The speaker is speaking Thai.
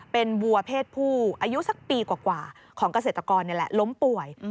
เป็นวัวเพศผู้อายุสักปีกว่าของเกษตรกรนี่แหละล้มป่วย